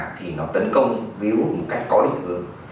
cũng như là khi có tác nhân bạc thì nó tấn công víu một cách có định hướng